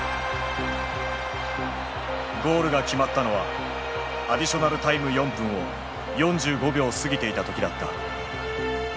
ゴールが決まったのはアディショナルタイム４分を４５秒過ぎていた時だった。